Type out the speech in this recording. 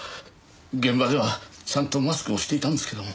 現場ではちゃんとマスクをしていたんですけども。